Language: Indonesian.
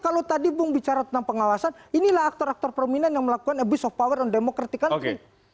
kalau tadi bung bicara tentang pengawasan inilah aktor aktor prominent yang melakukan abuse of power and democratic country